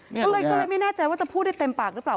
ก็เลยไม่แน่ใจว่าจะพูดได้เต็มปากหรือเปล่า